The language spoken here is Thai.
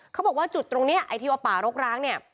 เขาบอกว่าจุดตรงนี้ไอ้ที่ว่าป่ารกร้างเนี่ย